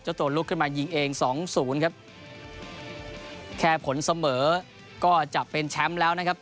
ตัวลุกขึ้นมายิงเองสองศูนย์ครับแค่ผลเสมอก็จะเป็นแชมป์แล้วนะครับ